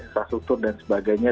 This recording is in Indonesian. resasutur dan sebagainya